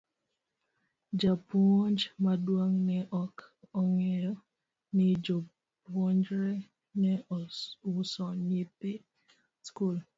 Japuonj maduong' ne ok ong'eyo ni jopuonjre ne uso nyithi skul.